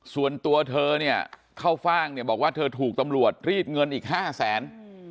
ส่วนตัวเธอเนี่ยเข้าฟ่างบอกว่าเธอถูกตำรวจรีดเงินอีก๕๐๐๐๐๐บาท